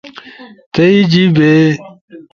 تھأئی جیِبے